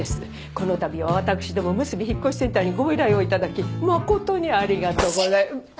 この度はわたくしどもむすび引越センターにご依頼を頂き誠にありがとう。シッ！